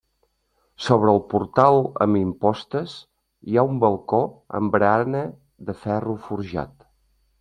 Sobre el portal amb impostes hi ha un balcó amb barana de ferro forjat.